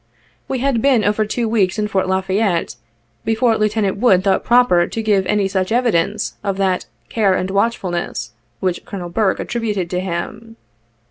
We had been over two weeks in Fort La Fayette before Lieutenant Wood thought proper to give any such evidence of that '''care and watchful ness" which Colonel Burke attributed to him.